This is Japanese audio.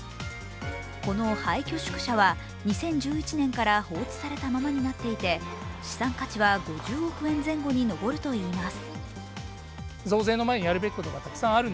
この廃虚宿舎は２０１１年から放置されたままになっていて資産価値は５０億円前後に上るといいます。